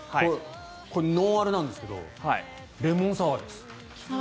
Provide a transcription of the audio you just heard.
これノンアルなんですけどレモンサワーです。